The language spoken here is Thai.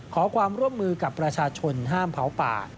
ขอความร่วมมือกับประชาชนห้ามเผาป่า